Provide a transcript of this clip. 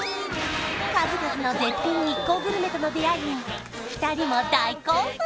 数々の絶品日光グルメとの出会いに２人も大興奮！